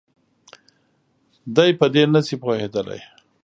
دی په دې نه شي پوهېدلی.